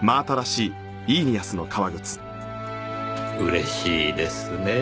嬉しいですねぇ。